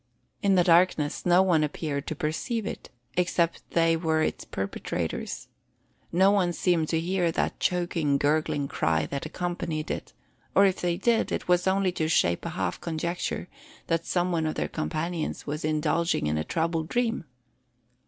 In the darkness, no one appeared to perceive it, except they were its perpetrators. No one seemed to hear that choking, gurgling cry that accompanied it; or if they did, it was only to shape a half conjecture, that some one of their companions was indulging in a troubled dream!